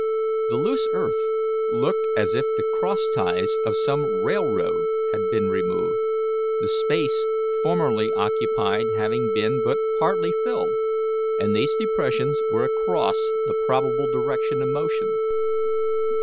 The loose earth looked as if the cross ties of some railroad had been removed, the space formerly occupied having been but partly filled, and these depressions were across the probable direction of motion.